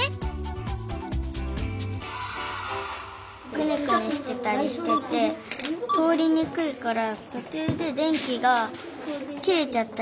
くねくねしてたりしてて通りにくいからとちゅうで電気が切れちゃったりして。